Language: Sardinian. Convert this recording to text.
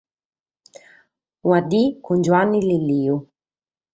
Una Die cun Giuanni Lilliu.